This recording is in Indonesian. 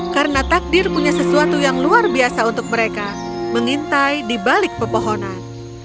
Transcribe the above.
karena takdir punya sesuatu yang luar biasa untuk mereka mengintai di balik pepohonan